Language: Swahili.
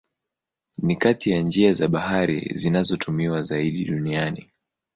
Ni kati ya njia za bahari zinazotumiwa zaidi duniani.